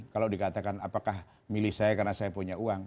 kalau dikatakan apakah milih saya karena saya punya uang